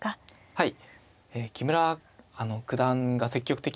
はい。